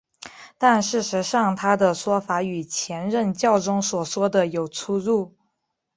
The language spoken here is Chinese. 但事实上他的说法与前任教宗所说的有出入。